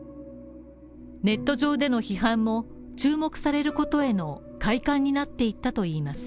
ネット上での批判も、注目されることへの快感になっていったといいます。